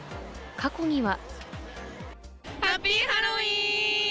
過去には。